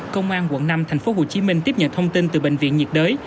công an quận năm tp hcm tiếp nhận thông tin từ bệnh viện nhiệt đới